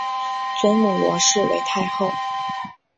尊母罗氏为太后。